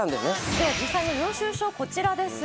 では実際の領収書こちらです。